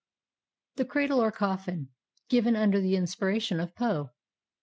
THE CRADLE OR COFFIN. [Given under the inspiration of Poe.